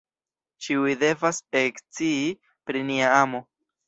Ĉiuj devas ekscii pri nia amo.